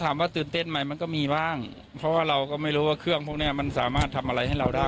ถามว่าตื่นเต้นไหมมันก็มีบ้างเพราะว่าเราก็ไม่รู้ว่าเครื่องพวกเนี้ยมันสามารถทำอะไรให้เราได้